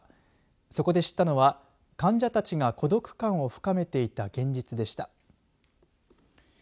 そこで知ったのは患者たちが孤独感を深めていた現実でした。